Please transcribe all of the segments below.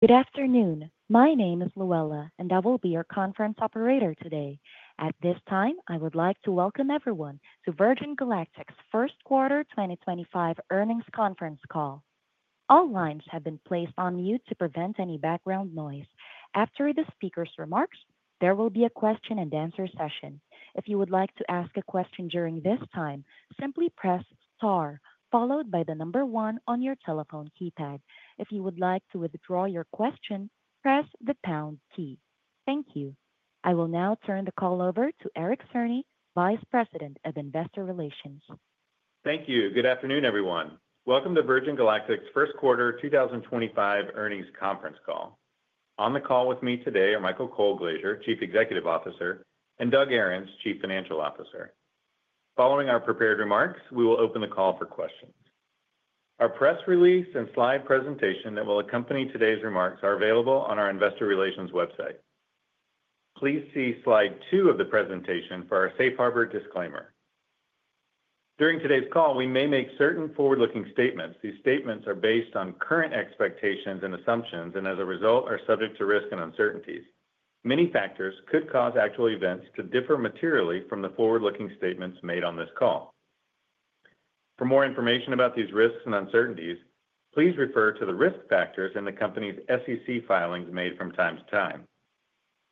Good afternoon. My name is Luela, and I will be your conference operator today. At this time, I would like to welcome everyone to Virgin Galactic's First Quarter 2025 Earnings Conference Call. All lines have been placed on mute to prevent any background noise. After the speaker's remarks, there will be a question-and-answer session. If you would like to ask a question during this time, simply press star, followed by the number one on your telephone keypad. If you would like to withdraw your question, press the pound key. Thank you. I will now turn the call over to Eric Cerny, Vice President of Investor Relations. Thank you. Good afternoon, everyone. Welcome to Virgin Galactic's First Quarter 2025 Earnings Conference call. On the call with me today are Michael Colglazier, Chief Executive Officer, and Doug Ahrens, Chief Financial Officer. Following our prepared remarks, we will open the call for questions. Our press release and slide presentation that will accompany today's remarks are available on our Investor Relations website. Please see slide two of the presentation for our safe harbor disclaimer. During today's call, we may make certain forward-looking statements. These statements are based on current expectations and assumptions and, as a result, are subject to risk and uncertainties. Many factors could cause actual events to differ materially from the forward-looking statements made on this call. For more information about these risks and uncertainties, please refer to the risk factors in the company's SEC filings made from time to time.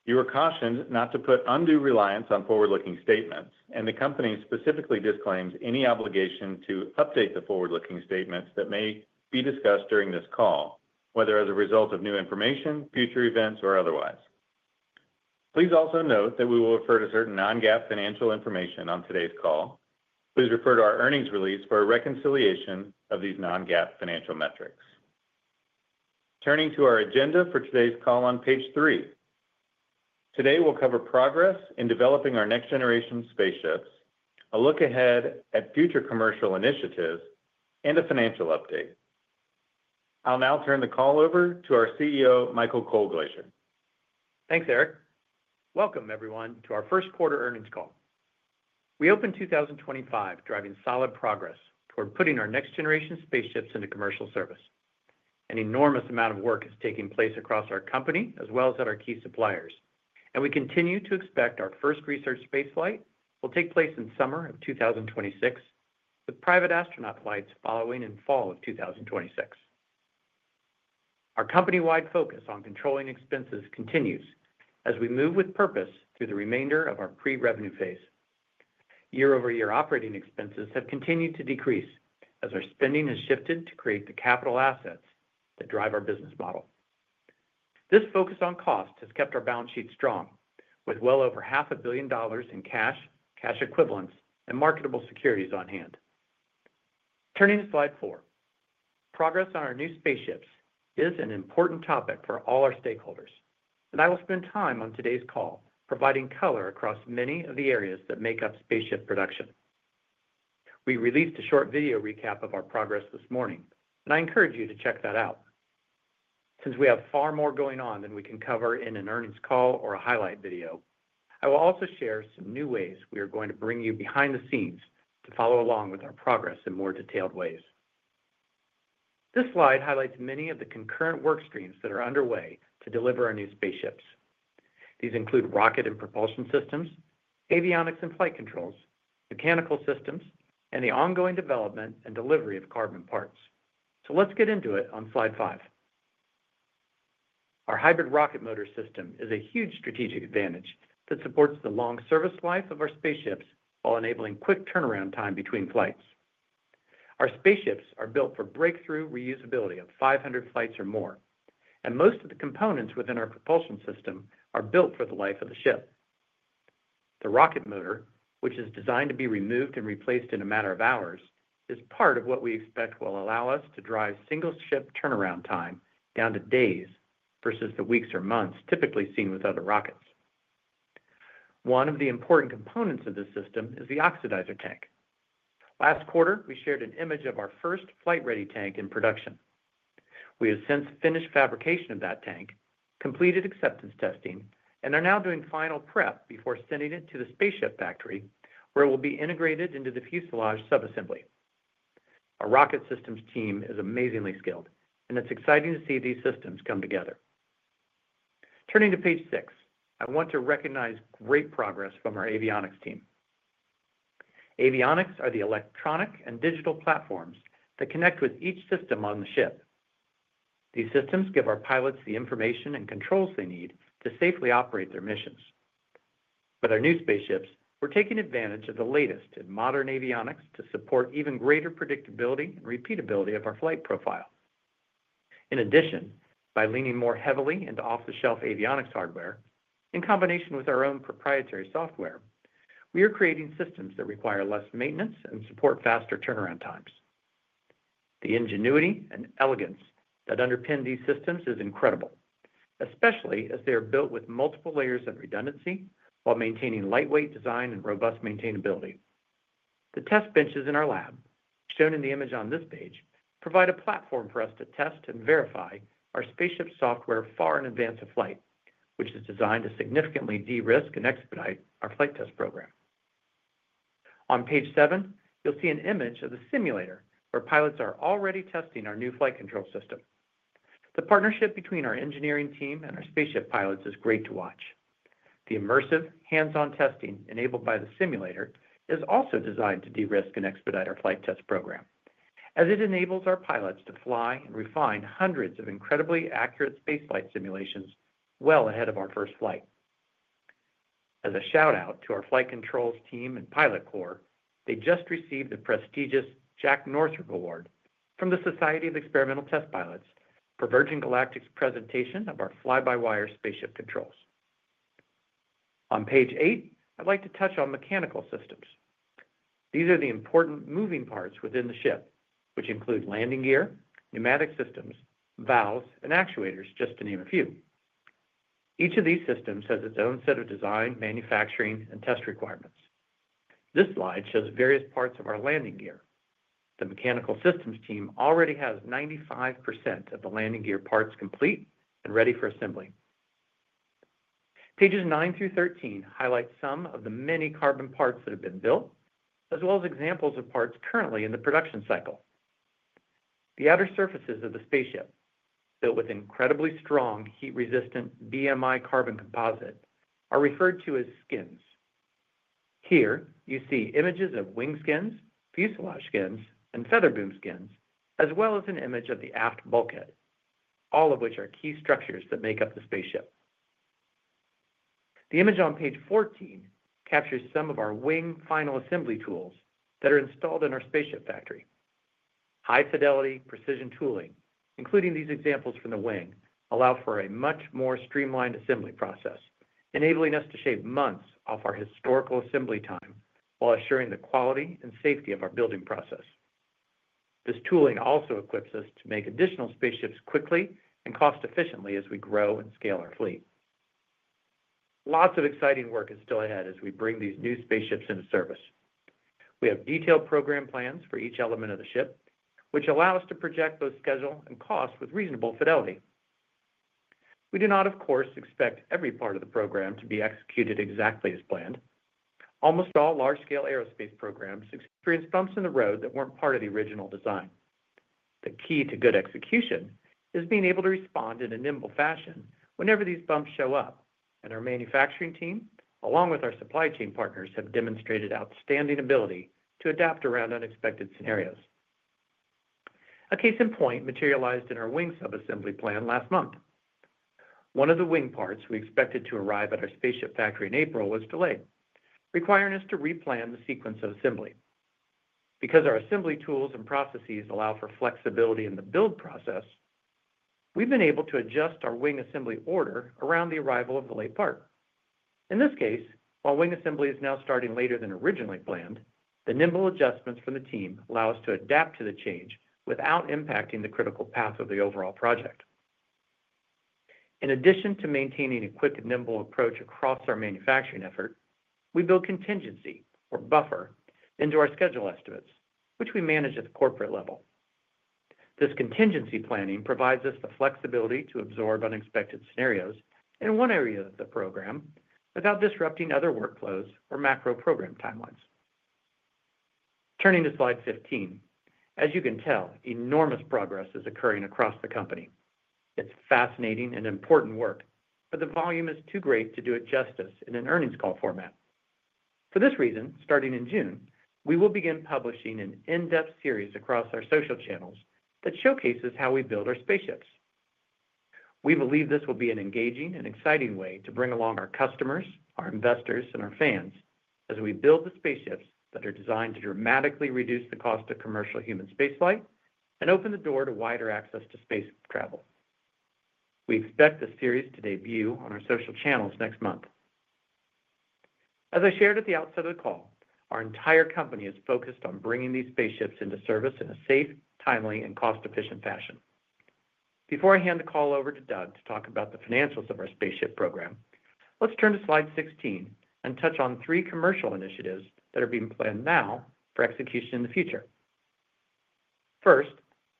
You are cautioned not to put undue reliance on forward-looking statements, and the company specifically disclaims any obligation to update the forward-looking statements that may be discussed during this call, whether as a result of new information, future events, or otherwise. Please also note that we will refer to certain non-GAAP financial information on today's call. Please refer to our earnings release for a reconciliation of these non-GAAP financial metrics. Turning to our agenda for today's call on page three, today we'll cover progress in developing our next generation spaceships, a look ahead at future commercial initiatives, and a financial update. I'll now turn the call over to our CEO, Michael Colglazier. Thanks, Eric. Welcome, everyone, to our first quarter earnings call. We opened 2025 driving solid progress toward putting our next generation spaceships into commercial service. An enormous amount of work is taking place across our company as well as at our key suppliers, and we continue to expect our first research space flight will take place in summer of 2026, with private astronaut flights following in fall of 2026. Our company-wide focus on controlling expenses continues as we move with purpose through the remainder of our pre-revenue phase. Year-over-year operating expenses have continued to decrease as our spending has shifted to create the capital assets that drive our business model. This focus on cost has kept our balance sheet strong, with well over half a billion dollars in cash, cash equivalents, and marketable securities on hand. Turning to slide four, progress on our new spaceships is an important topic for all our stakeholders, and I will spend time on today's call providing color across many of the areas that make up Spaceship production. We released a short video recap of our progress this morning, and I encourage you to check that out. Since we have far more going on than we can cover in an earnings call or a highlight video, I will also share some new ways we are going to bring you behind the scenes to follow along with our progress in more detailed ways. This slide highlights many of the concurrent work streams that are underway to deliver our new Spaceships. These include rocket and propulsion systems, avionics and flight controls, mechanical systems, and the ongoing development and delivery of carbon parts. Let's get into it on slide five. Our hybrid rocket motor system is a huge strategic advantage that supports the long service life of our spaceships while enabling quick turnaround time between flights. Our spaceships are built for breakthrough reusability of 500 flights or more, and most of the components within our propulsion system are built for the life of the ship. The rocket motor, which is designed to be removed and replaced in a matter of hours, is part of what we expect will allow us to drive single ship turnaround time down to days versus the weeks or months typically seen with other rockets. One of the important components of this system is the Oxidizer Tank. Last quarter, we shared an image of our first flight-ready tank in production. We have since finished fabrication of that tank, completed acceptance testing, and are now doing final prep before sending it to the Spaceship factory where it will be integrated into the fuselage subassembly. Our rocket systems team is amazingly skilled, and it's exciting to see these systems come together. Turning to page six, I want to recognize great progress from our avionics team. Avionics are the electronic and digital platforms that connect with each system on the ship. These systems give our pilots the information and controls they need to safely operate their missions. With our new Spaceships, we're taking advantage of the latest and modern avionics to support even greater predictability and repeatability of our flight profile. In addition, by leaning more heavily into off-the-shelf avionics hardware, in combination with our own proprietary software, we are creating systems that require less maintenance and support faster turnaround times. The ingenuity and elegance that underpin these systems is incredible, especially as they are built with multiple layers of redundancy while maintaining lightweight design and robust maintainability. The test benches in our lab, shown in the image on this page, provide a platform for us to test and verify our Spaceship software far in advance of flight, which is designed to significantly de-risk and expedite our flight test program. On page seven, you'll see an image of the simulator where pilots are already testing our new flight control system. The partnership between our engineering team and our Spaceship pilots is great to watch. The immersive hands-on testing enabled by the simulator is also designed to de-risk and expedite our flight test program, as it enables our pilots to fly and refine hundreds of incredibly accurate spaceflight simulations well ahead of our first flight. As a shout-out to our flight controls team and pilot corps, they just received the prestigious Jack Northrop Award from the Society of Experimental Test Pilots for Virgin Galactic's presentation of our fly-by-wire Spaceship controls. On page eight, I'd like to touch on mechanical systems. These are the important moving parts within the ship, which include landing gear, pneumatic systems, valves, and actuators, just to name a few. Each of these systems has its own set of design, manufacturing, and test requirements. This slide shows various parts of our landing gear. The mechanical systems team already has 95% of the landing gear parts complete and ready for assembly. Pages 9-13 highlight some of the many carbon parts that have been built, as well as examples of parts currently in the production cycle. The outer surfaces of the Spaceship, built with incredibly strong heat-resistant BMI carbon composite, are referred to as skins. Here you see images of wing skins, fuselage skins, and feather boom skins, as well as an image of the aft bulkhead, all of which are key structures that make up the Spaceship. The image on page 14 captures some of our wing final assembly tools that are installed in our Spaceship factory. High-Fidelity precision tooling, including these examples from the wing, allows for a much more streamlined assembly process, enabling us to shave months off our historical assembly time while assuring the quality and safety of our building process. This tooling also equips us to make additional Spaceships quickly and cost-efficiently as we grow and scale our fleet. Lots of exciting work is still ahead as we bring these new Spaceships into service. We have detailed program plans for each element of the ship, which allow us to project both schedule and cost with reasonable fidelity. We do not, of course, expect every part of the program to be executed exactly as planned. Almost all large-scale aerospace programs experience bumps in the road that were not part of the original design. The key to good execution is being able to respond in a nimble fashion whenever these bumps show up, and our manufacturing team, along with our supply chain partners, have demonstrated outstanding ability to adapt around unexpected scenarios. A case in point materialized in our wing subassembly plan last month. One of the wing parts we expected to arrive at our Spaceship factory in April was delayed, requiring us to replan the sequence of assembly. Because our assembly tools and processes allow for flexibility in the build process, we've been able to adjust our wing assembly order around the arrival of the late part. In this case, while wing assembly is now starting later than originally planned, the nimble adjustments from the team allow us to adapt to the change without impacting the critical path of the overall project. In addition to maintaining a quick and nimble approach across our manufacturing effort, we build contingency, or buffer, into our schedule estimates, which we manage at the corporate level. This contingency planning provides us the flexibility to absorb unexpected scenarios in one area of the program without disrupting other workflows or macro program timelines. Turning to slide 15, as you can tell, enormous progress is occurring across the company. It's fascinating and important work, but the volume is too great to do it justice in an earnings call format. For this reason, starting in June, we will begin publishing an in-depth series across our social channels that showcases how we build our Spaceships. We believe this will be an engaging and exciting way to bring along our customers, our investors, and our fans as we build the Spaceships that are designed to dramatically reduce the cost of commercial human spaceflight and open the door to wider access to space travel. We expect the series to debut on our social channels next month. As I shared at the outset of the call, our entire company is focused on bringing these Spaceships into service in a safe, timely, and cost-efficient fashion. Before I hand the call over to Doug to talk about the financials of our Spaceship program, let's turn to slide 16 and touch on three commercial initiatives that are being planned now for execution in the future. First,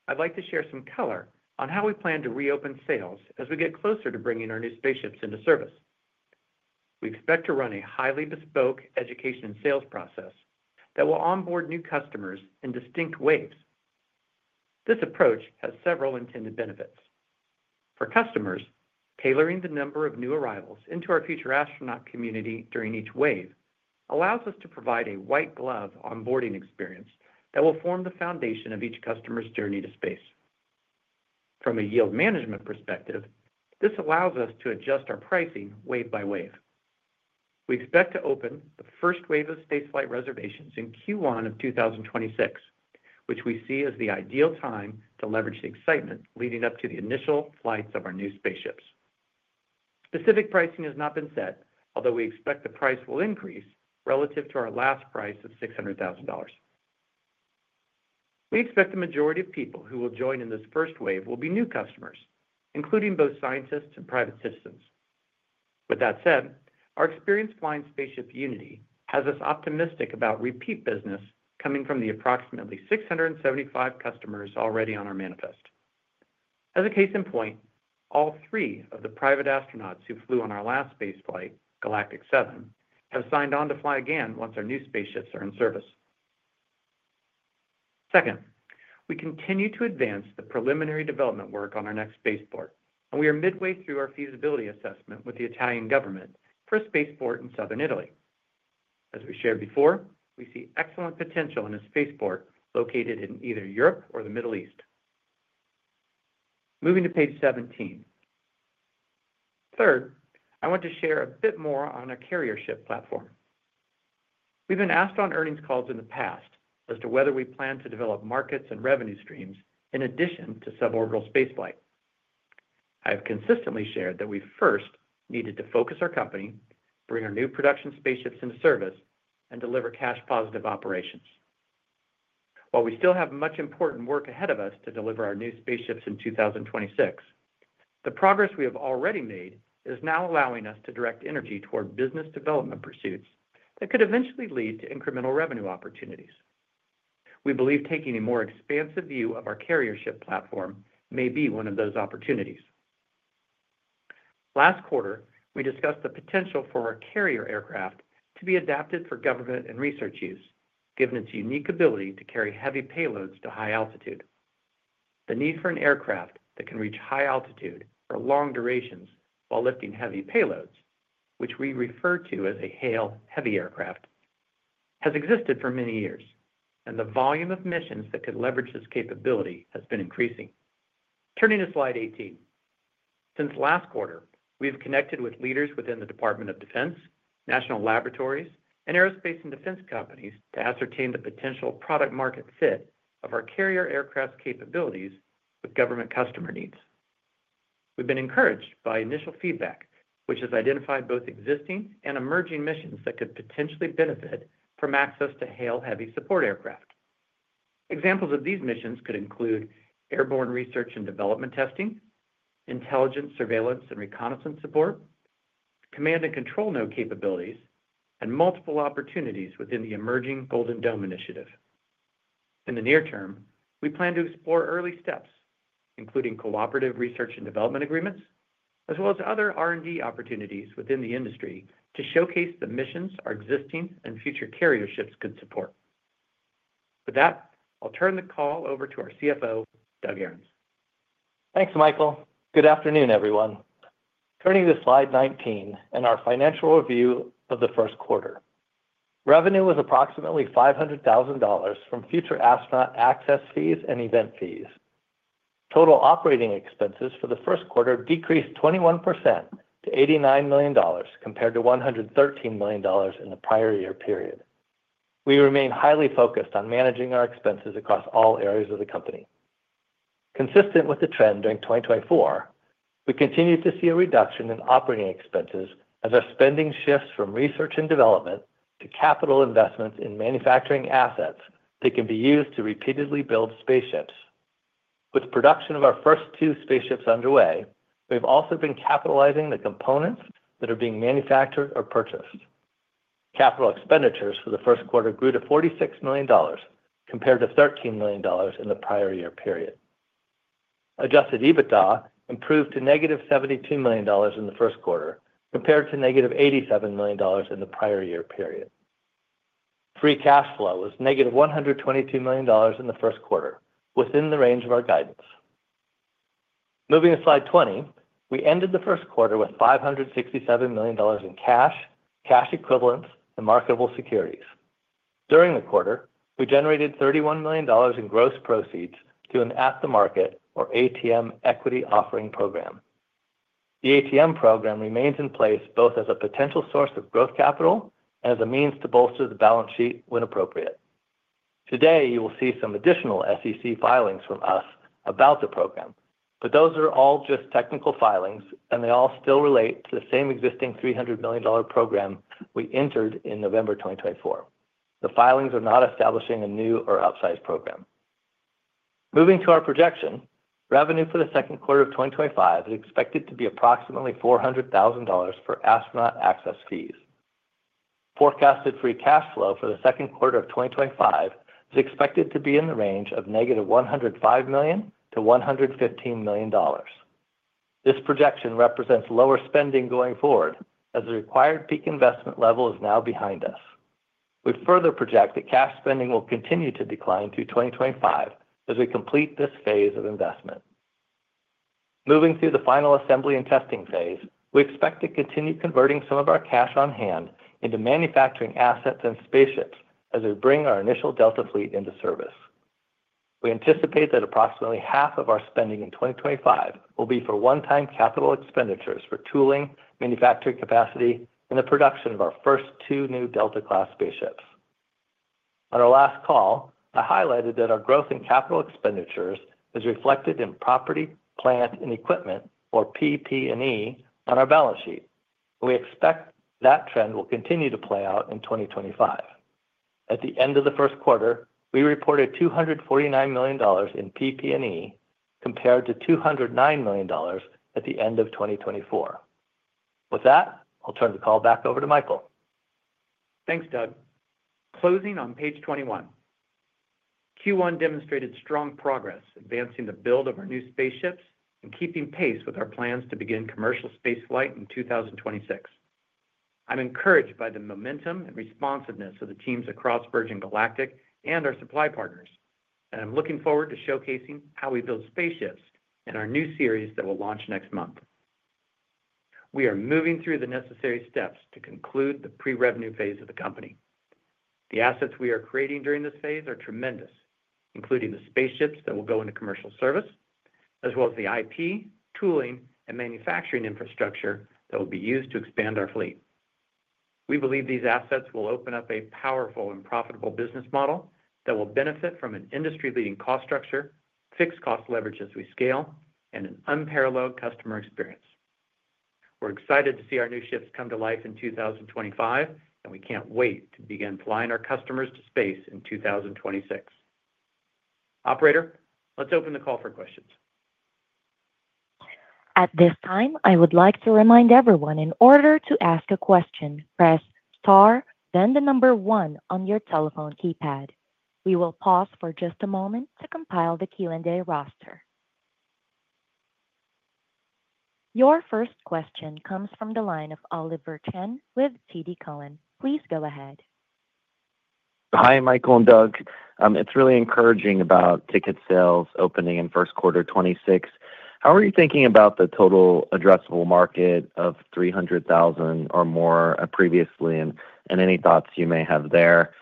I'd like to share some color on how we plan to reopen sales as we get closer to bringing our new Spaceships into service. We expect to run a highly bespoke education and sales process that will onboard new customers in distinct waves. This approach has several intended benefits. For customers, tailoring the number of new arrivals into our future astronaut community during each wave allows us to provide a white-glove onboarding experience that will form the foundation of each customer's journey to space. From a yield management perspective, this allows us to adjust our pricing wave by wave. We expect to open the first wave of Spaceflight Reservations in Q1 of 2026, which we see as the ideal time to leverage the excitement leading up to the initial flights of our new Spaceships. Specific pricing has not been set, although we expect the price will increase relative to our last price of $600,000. We expect the majority of people who will join in this first wave will be new customers, including both scientists and private systems. With that said, our experienced flying Spaceship Unity has us optimistic about repeat business coming from the approximately 675 customers already on our manifest. As a case in point, all three of the private astronauts who flew on our last spaceflight, Galactic Seven, have signed on to fly again once our new Spaceships are in service. Second, we continue to advance the preliminary development work on our next Spaceport, and we are midway through our feasibility assessment with the Italian government for a spaceport in southern Italy. As we shared before, we see excellent potential in a spaceport located in either Europe or the Middle East. Moving to page 17. Third, I want to share a bit more on our carrier ship platform. We've been asked on earnings calls in the past as to whether we plan to develop markets and revenue streams in addition to suborbital spaceflight. I have consistently shared that we first needed to focus our company, bring our new production Spaceships into service, and deliver cash-positive operations. While we still have much important work ahead of us to deliver our new Spaceships in 2026, the progress we have already made is now allowing us to direct energy toward business development pursuits that could eventually lead to incremental revenue opportunities. We believe taking a more expansive view of our carrier ship platform may be one of those opportunities. Last quarter, we discussed the potential for our carrier aircraft to be adapted for government and research use, given its unique ability to carry heavy payloads to high altitude. The need for an aircraft that can reach high altitude for long durations while lifting heavy payloads, which we refer to as a HAL heavy aircraft, has existed for many years, and the volume of missions that could leverage this capability has been increasing. Turning to slide 18. Since last quarter, we have connected with leaders within the Department of Defense, national laboratories, and aerospace and defense companies to ascertain the potential product-market fit of our carrier aircraft's capabilities with government customer needs. We've been encouraged by initial feedback, which has identified both existing and emerging missions that could potentially benefit from access to HAL heavy support aircraft. Examples of these missions could include airborne research and development testing, intelligence, surveillance, and reconnaissance support, command and control node capabilities, and multiple opportunities within the emerging Golden Dome initiative. In the near term, we plan to explore early steps, including cooperative research and development agreements, as well as other R&D opportunities within the industry to showcase the missions our existing and future carrier ships could support. With that, I'll turn the call over to our CFO, Doug Ahrens. Thanks, Michael. Good afternoon, everyone. Turning to slide 19 and our financial review of the first quarter. Revenue was approximately $500,000 from future astronaut access fees and event fees. Total operating expenses for the first quarter decreased 21% to $89 million compared to $113 million in the prior year period. We remain highly focused on managing our expenses across all areas of the company. Consistent with the trend during 2024, we continue to see a reduction in operating expenses as our spending shifts from research and development to capital investments in manufacturing assets that can be used to repeatedly build Spaceships. With production of our first two Spaceships underway, we have also been capitalizing the components that are being manufactured or purchased. Capital expenditures for the first quarter grew to $46 million compared to $13 million in the prior year period. Adjusted EBITDA improved to -$72 million in the first quarter compared to negative -$87 million in the prior year period. Free cash flow was -$122 million in the first quarter, within the range of our guidance. Moving to slide 20, we ended the first quarter with $567 million in cash, cash equivalents, and marketable securities. During the quarter, we generated $31 million in gross proceeds through an after-market, or ATM, equity offering program. The ATM program remains in place both as a potential source of growth capital and as a means to bolster the balance sheet when appropriate. Today, you will see some additional SEC filings from us about the program, but those are all just technical filings, and they all still relate to the same existing $300 million program we entered in November 2024. The filings are not establishing a new or outsized program. Moving to our projection, revenue for the second quarter of 2025 is expected to be approximately $400,000 for Astronaut Access fees. Forecasted free cash flow for the second quarter of 2025 is expected to be in the range of -$105 million - -$115 million. This projection represents lower spending going forward as the required peak investment level is now behind us. We further project that cash spending will continue to decline through 2025 as we complete this phase of investment. Moving through the final assembly and testing phase, we expect to continue converting some of our cash on hand into manufacturing assets and Spaceships as we bring our initial Delta class fleet into service. We anticipate that approximately half of our spending in 2025 will be for one-time capital expenditures for tooling, manufacturing capacity, and the production of our first two new Delta class Spaceships. On our last call, I highlighted that our growth in capital expenditures is reflected in property, plant, and equipment, or PP&E, on our balance sheet, and we expect that trend will continue to play out in 2025. At the end of the first quarter, we reported $249 million in PP&E compared to $209 million at the end of 2024. With that, I'll turn the call back over to Michael. Thanks, Doug. Closing on page 21, Q1 demonstrated strong progress advancing the build of our new Spaceships and keeping pace with our plans to begin commercial spaceflight in 2026. I'm encouraged by the momentum and responsiveness of the teams across Virgin Galactic and our supply partners, and I'm looking forward to showcasing how we build Spaceships in our new series that will launch next month. We are moving through the necessary steps to conclude the pre-revenue phase of the company. The assets we are creating during this phase are tremendous, including the Spaceships that will go into commercial service, as well as the IP, tooling, and manufacturing infrastructure that will be used to expand our fleet. We believe these assets will open up a powerful and profitable business model that will benefit from an industry-leading cost structure, fixed cost leverage as we scale, and an unparalleled customer experience. We're excited to see our new ships come to life in 2025, and we can't wait to begin flying our customers to space in 2026. Operator, let's open the call for questions. At this time, I would like to remind everyone in order to ask a question, press star, then the number one on your telephone keypad. We will pause for just a moment to compile the Q&A roster. Your first question comes from the line of Oliver Chen with TD Cowen. Please go ahead. Hi, Michael and Doug. It's really encouraging about ticket sales opening in first quarter 2026. How are you thinking about the total addressable market of $300,000 or more previously and any thoughts you may have there?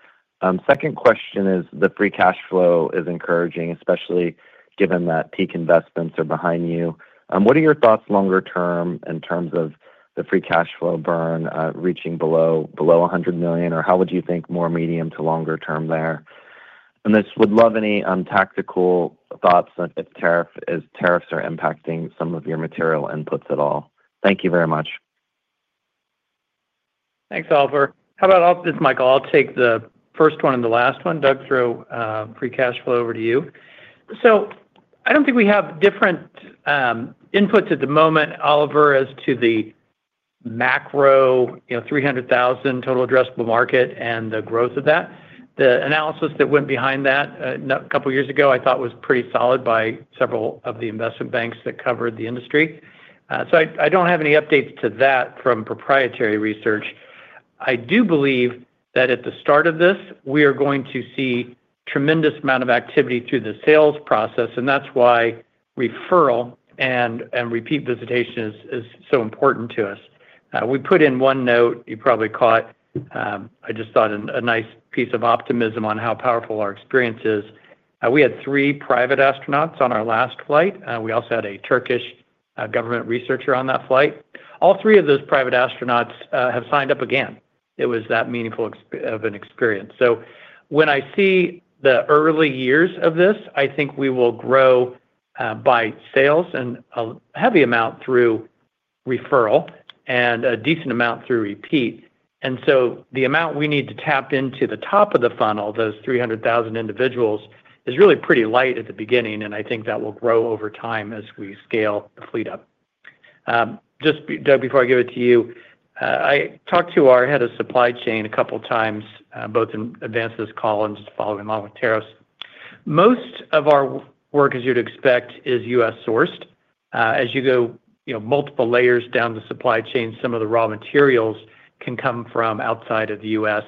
Second question is the free cash flow is encouraging, especially given that peak investments are behind you. What are your thoughts longer term in terms of the free cash flow burn reaching below $100 million, or how would you think more medium to longer term there? I would love any tactical thoughts if tariffs are impacting some of your material inputs at all. Thank you very much. Thanks, Oliver. How about this? Michael, I'll take the first one and the last one. Doug, throw free cash flow over to you. I do not think we have different inputs at the moment, Oliver, as to the macro $300,000 total addressable market and the growth of that. The analysis that went behind that a couple of years ago I thought was pretty solid by several of the investment banks that covered the industry. I do not have any updates to that from proprietary research. I do believe that at the start of this, we are going to see a tremendous amount of activity through the sales process, and that is why referral and repeat visitation is so important to us. We put in one note, you probably caught, I just thought, a nice piece of optimism on how powerful our experience is. We had three private astronauts on our last flight. We also had a Turkish government researcher on that flight. All three of those private astronauts have signed up again. It was that meaningful of an experience. When I see the early years of this, I think we will grow by sales in a heavy amount through referral and a decent amount through repeat. The amount we need to tap into the top of the funnel, those 300,000 individuals, is really pretty light at the beginning, and I think that will grow over time as we scale the fleet up. Just, Doug, before I give it to you, I talked to our head of supply chain a couple of times, both in advance of this call and just following along with tariffs. Most of our work, as you'd expect, is U.S. sourced. As you go multiple layers down the supply chain, some of the raw materials can come from outside of the U.S.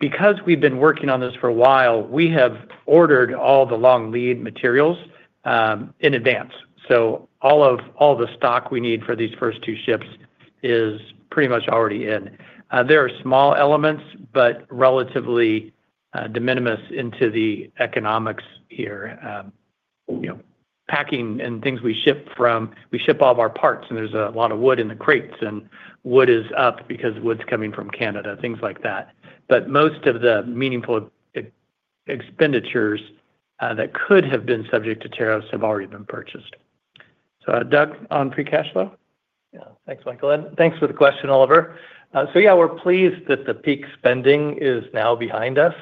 Because we've been working on this for a while, we have ordered all the long lead materials in advance. All of the stock we need for these first two ships is pretty much already in. There are small elements, but relatively de minimis into the economics here. Packing and things we ship from, we ship all of our parts, and there's a lot of wood in the crates, and wood is up because wood's coming from Canada, things like that. Most of the meaningful expenditures that could have been subject to tariffs have already been purchased. Doug, on free cash flow? Yeah. Thanks, Michael. And thanks for the question, Oliver. Yeah, we're pleased that the peak spending is now behind us,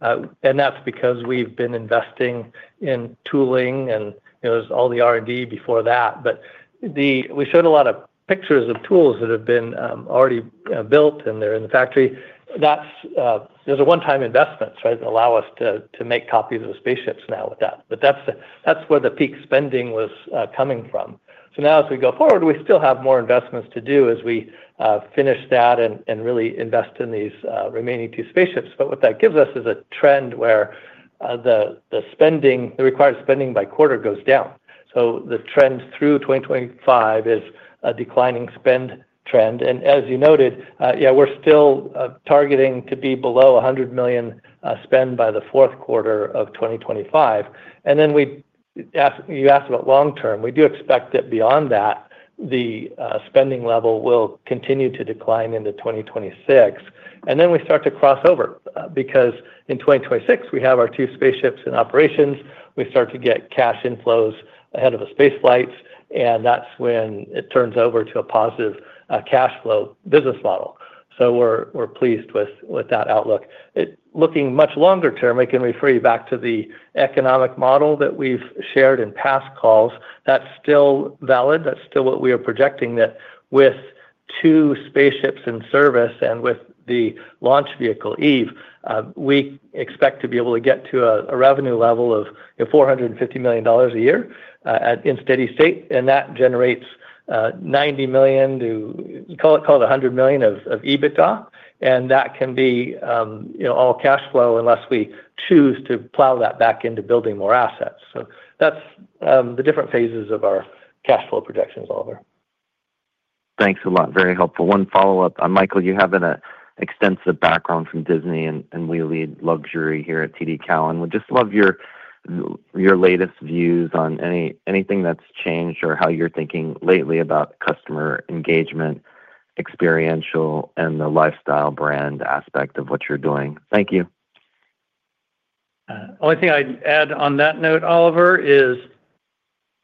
and that's because we've been investing in tooling, and there was all the R&D before that. We showed a lot of pictures of tools that have been already built, and they're in the factory. There is a one-time investment, right, that allows us to make copies of the Spaceships now with that. That is where the peak spending was coming from. As we go forward, we still have more investments to do as we finish that and really invest in these remaining two Spaceships. What that gives us is a trend where the required spending by quarter goes down. The trend through 2025 is a declining spend trend. As you noted, yeah, we're still targeting to be below $100 million spend by the fourth quarter of 2025. You asked about long-term. We do expect that beyond that, the spending level will continue to decline into 2026. Then we start to cross over because in 2026, we have our two Spaceships in operations. We start to get cash inflows ahead of the space flights, and that is when it turns over to a positive cash flow business model. We are pleased with that outlook. Looking much longer term, I can refer you back to the economic model that we have shared in past calls. That is still valid. That is still what we are projecting, that with two Spaceships in service and with the launch vehicle, Eve, we expect to be able to get to a revenue level of $450 million a year in steady state. That generates $90 million - $100 million of EBITDA. That can be all cash flow unless we choose to plow that back into building more assets. That is the different phases of our cash flow projections, Oliver. Thanks a lot. Very helpful. One follow-up. Michael, you have an extensive background from Disney and really luxury here at TD Cowen. We'd just love your latest views on anything that's changed or how you're thinking lately about customer engagement, experiential, and the lifestyle brand aspect of what you're doing. Thank you. Only thing I'd add on that note, Oliver, is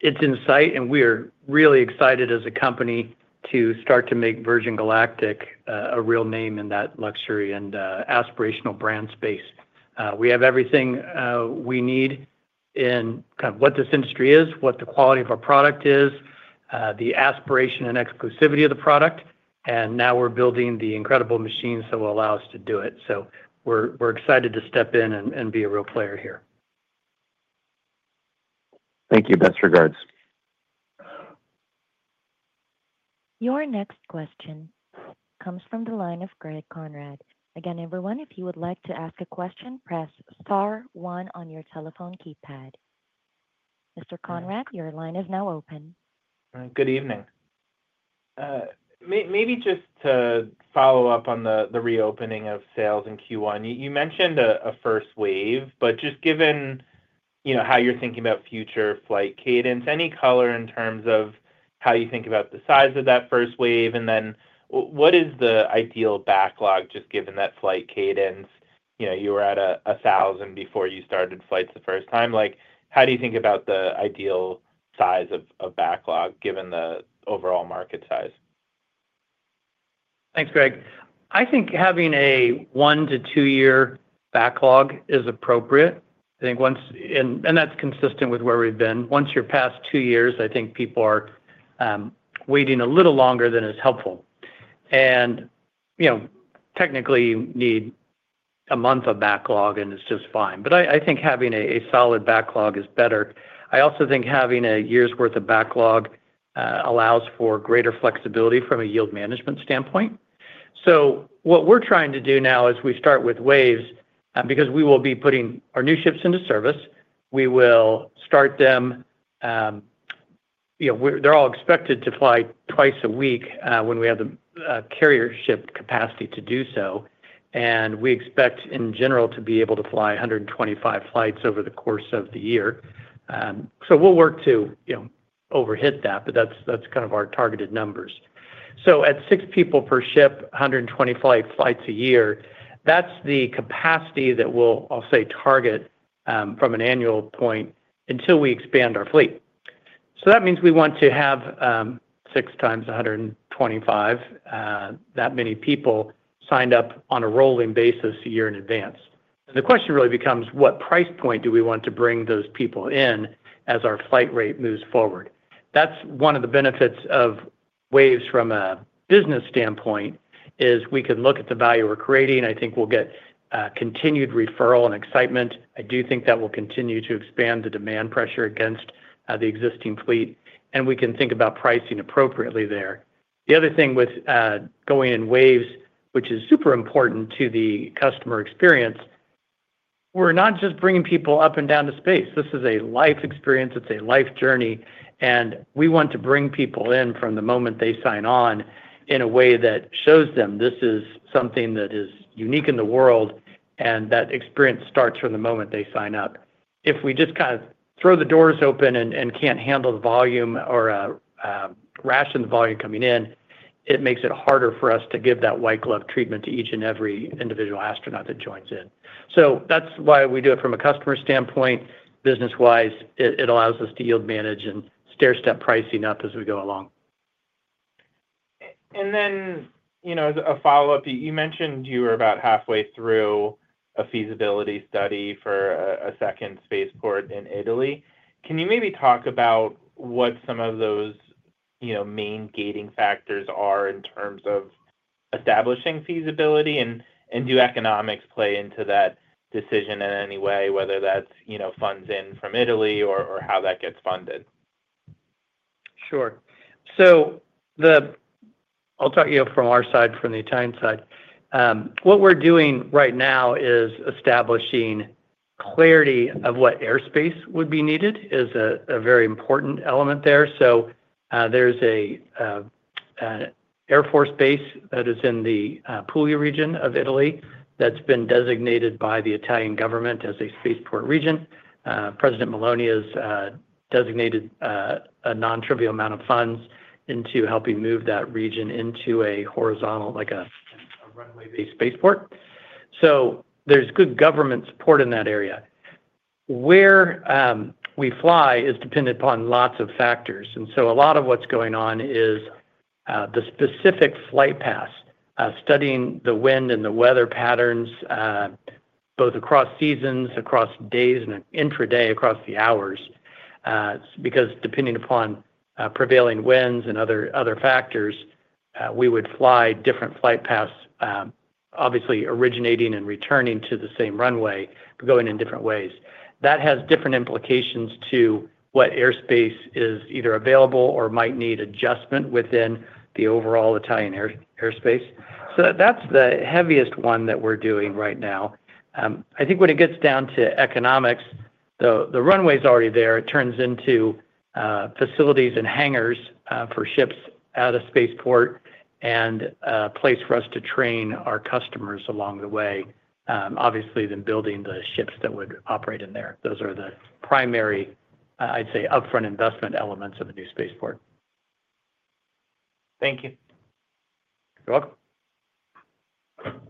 it's in sight, and we are really excited as a company to start to make Virgin Galactic a real name in that luxury and aspirational brand space. We have everything we need in kind of what this industry is, what the quality of our product is, the aspiration and exclusivity of the product, and now we're building the incredible machines that will allow us to do it. We are excited to step in and be a real player here. Thank you. Best regards. Your next question comes from the line of Greg Conrad. Again, everyone, if you would like to ask a question, press star one on your telephone keypad. Mr. Conrad, your line is now open. Good evening. Maybe just to follow up on the reopening of sales in Q1, you mentioned a first wave, but just given how you're thinking about future flight cadence, any color in terms of how you think about the size of that first wave? What is the ideal backlog just given that flight cadence? You were at 1,000 before you started flights the first time. How do you think about the ideal size of backlog given the overall market size? Thanks, Greg. I think having a one to two-year backlog is appropriate. That is consistent with where we've been. Once you're past two years, I think people are waiting a little longer than is helpful. Technically, you need a month of backlog, and it's just fine. I think having a solid backlog is better. I also think having a year's worth of backlog allows for greater flexibility from a yield management standpoint. What we're trying to do now is we start with waves because we will be putting our new ships into service. We will start them. They're all expected to fly twice a week when we have the carrier ship capacity to do so. We expect, in general, to be able to fly 125 flights over the course of the year. We'll work to overhead that, but that's kind of our targeted numbers. At six people per ship, 125 flights a year, that's the capacity that we'll, I'll say, target from an annual point until we expand our fleet. That means we want to have six times 125, that many people signed up on a rolling basis a year in advance. The question really becomes, what price point do we want to bring those people in as our flight rate moves forward? That's one of the benefits of waves from a business standpoint, is we can look at the value we're creating. I think we'll get continued referral and excitement. I do think that will continue to expand the demand pressure against the existing fleet, and we can think about pricing appropriately there. The other thing with going in waves, which is super important to the customer experience, we're not just bringing people up and down the space. This is a life experience. It's a life journey. We want to bring people in from the moment they sign on in a way that shows them this is something that is unique in the world and that experience starts from the moment they sign up. If we just kind of throw the doors open and can't handle the volume or ration the volume coming in, it makes it harder for us to give that white glove treatment to each and every individual astronaut that joins in. That is why we do it from a customer standpoint. Business-wise, it allows us to yield manage and stair-step pricing up as we go along. As a follow-up, you mentioned you were about halfway through a feasibility study for a second spaceport in Italy. Can you maybe talk about what some of those main gating factors are in terms of establishing feasibility? Do economics play into that decision in any way, whether that's funds in from Italy or how that gets funded? Sure. I'll talk to you from our side, from the Italian side. What we're doing right now is establishing clarity of what airspace would be needed, which is a very important element there. There's an air force base that is in the Puglia region of Italy that's been designated by the Italian government as a spaceport region. Prime Minister Meloni has designated a non-trivial amount of funds into helping move that region into a horizontal, like a runway-based spaceport. There's good government support in that area. Where we fly is dependent upon lots of factors. A lot of what's going on is the specific flight paths, studying the wind and the weather patterns, both across seasons, across days, and intraday across the hours. Because depending upon prevailing winds and other factors, we would fly different flight paths, obviously originating and returning to the same runway, but going in different ways. That has different implications to what airspace is either available or might need adjustment within the overall Italian airspace. That is the heaviest one that we're doing right now. I think when it gets down to economics, the runway is already there. It turns into facilities and hangars for ships out of spaceport and a place for us to train our customers along the way. Obviously, then building the ships that would operate in there. Those are the primary, I'd say, upfront investment elements of a new spaceport. Thank you. You're welcome.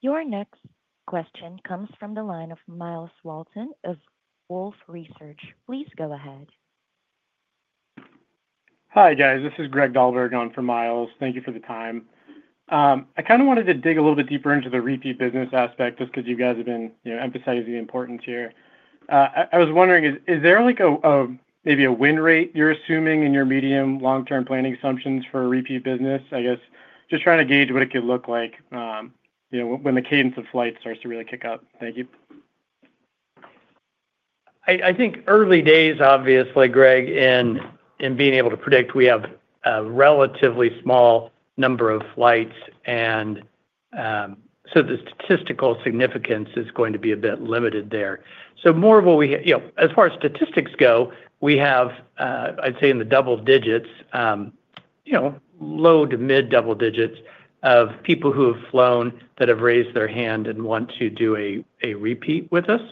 Your next question comes from the line of Miles Walton of Wolfe Research. Please go ahead. Hi, guys. This is Greg Dahlberg on for Miles. Thank you for the time. I kind of wanted to dig a little bit deeper into the repeat business aspect just because you guys have been emphasizing the importance here. I was wondering, is there maybe a win rate you're assuming in your medium-long-term planning assumptions for repeat business? I guess just trying to gauge what it could look like when the cadence of flights starts to really kick up. Thank you. I think early days, obviously, Greg, in being able to predict we have a relatively small number of flights. And so the statistical significance is going to be a bit limited there. More of what we, as far as statistics go, we have, I'd say, in the double digits, low to mid-double digits of people who have flown that have raised their hand and want to do a repeat with us,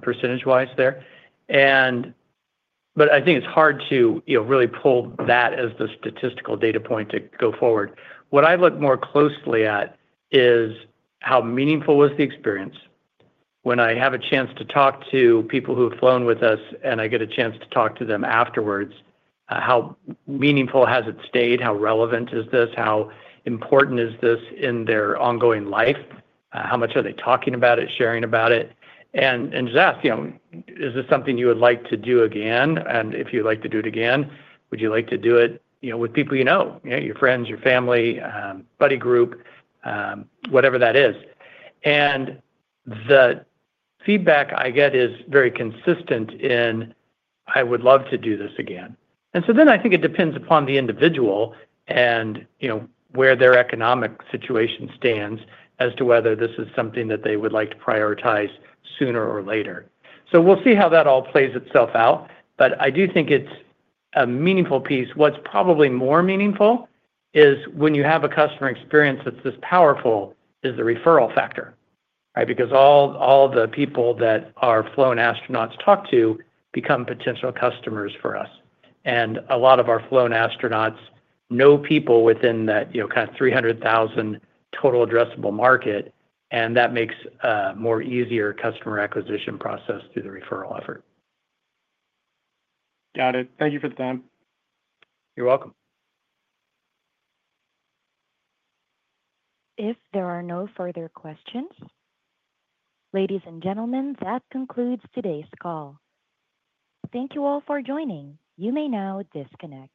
percentage wise there. I think it's hard to really pull that as the statistical data point to go forward. What I look more closely at is how meaningful was the experience. When I have a chance to talk to people who have flown with us and I get a chance to talk to them afterwards, how meaningful has it stayed? How relevant is this? How important is this in their ongoing life? How much are they talking about it, sharing about it? I just ask, is this something you would like to do again? If you'd like to do it again, would you like to do it with people you know, your friends, your family, buddy group, whatever that is? The feedback I get is very consistent in, "I would love to do this again." I think it depends upon the individual and where their economic situation stands as to whether this is something that they would like to prioritize sooner or later. We will see how that all plays itself out. I do think it is a meaningful piece. What is probably more meaningful is when you have a customer experience that is this powerful, the referral factor, right? All the people that our flown astronauts talk to become potential customers for us. A lot of our flown Astronauts know people within that kind of 300,000 total addressable market. That makes a more easier customer acquisition process through the referral effort. Got it. Thank you for the time. You're welcome. If there are no further questions, ladies and gentlemen, that concludes today's call. Thank you all for joining. You may now disconnect.